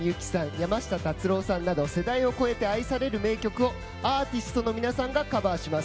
山下達郎さんなど世代を超えて愛される名曲をアーティストの皆さんがカバーします。